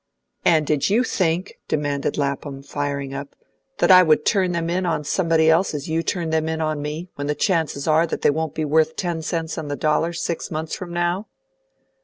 "And did you think," demanded Lapham, firing up, "that I would turn them in on somebody else as you turned them in on me, when the chances are that they won't be worth ten cents on the dollar six months from now?"